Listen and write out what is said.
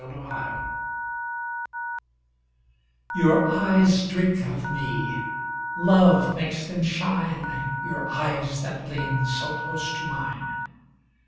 The Mystery Your eyes drink of me, Love makes them shine, Your eyes that lean So close to mine.